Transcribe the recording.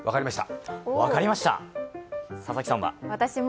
分かりました。